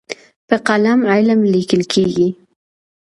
په قلم علم لیکل کېږي.